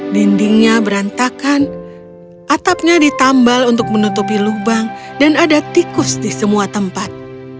dindingnya berantakan atapnya ditambal untuk menutupi lubang dan ada tikus di semua tempat